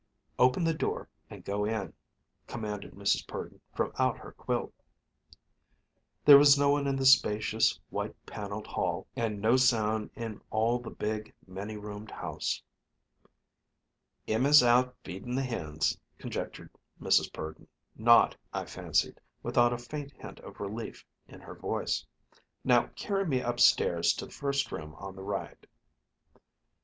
"Open the door and go in," commanded Mrs. Purdon from out her quilt. There was no one in the spacious, white paneled hall, and no sound in all the big, many roomed house. "Emma's out feeding the hens," conjectured Mrs. Purdon, not, I fancied, without a faint hint of relief in her voice. "Now carry me up stairs to the first room on the right."